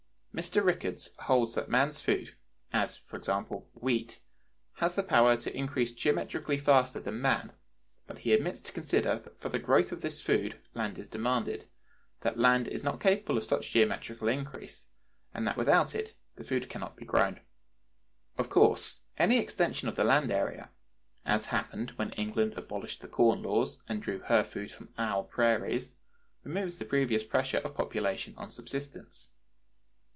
Mr. Rickards(120) holds that man's food—as, e.g., wheat—has the power to increase geometrically faster than man; but he omits to consider that for the growth of this food land is demanded; that land is not capable of such geometrical increase; and that without it the food can not be grown. Of course, any extension of the land area, as happened when England abolished the corn laws and drew her food from our prairies, removes the previous pressure of population on subsistence.